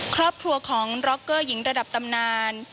ครอบครัวของร็อกเกอร์หญิงระดับตำนาน